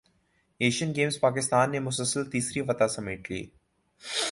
Asian Games Pakistan نے مسلسل تیسری فتح سمیٹ لی